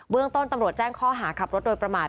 เรื่องต้นตำรวจแจ้งข้อหาขับรถโดยประมาท